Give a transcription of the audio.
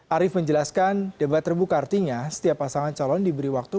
arief menjelaskan debat terbuka artinya setiap pasangan calon diberi waktu